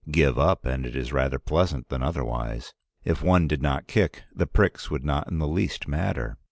Give up and it is rather pleasant than otherwise. If one did not kick, the pricks would not in the least matter.